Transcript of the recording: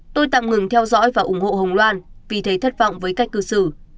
tôi tạm ngừng theo dõi và ủng hộ hồng loan vì thấy thất vọng với cách cư xử